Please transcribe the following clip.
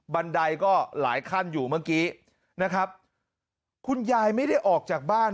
บันไดก็หลายขั้นอยู่เมื่อกี้นะครับคุณยายไม่ได้ออกจากบ้าน